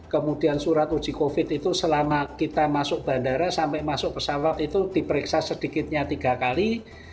kemudian surat uji covid itu selama kita masuk bandara sampai masuk pesawat itu diperiksa sedikitnya tiga kali